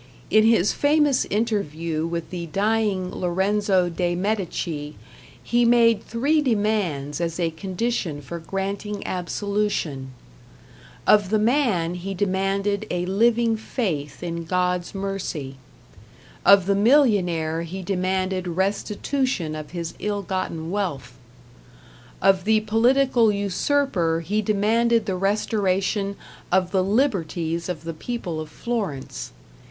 In his famous interview with the dying Lorenzo de Medici he made three demands as a condition for granting absolution. Of the man he demanded a living faith in God's mercy. Of the millionaire he demanded restitution of his ill gotten wealth. Of the political usurper he demanded the restoration of the liberties of the people of Florence.